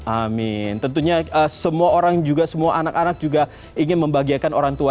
amin tentunya semua orang juga semua anak anak juga ingin membahagiakan orang tua